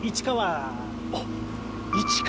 あっ市川。